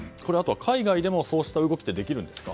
海外でもそうした動きってできるんですか？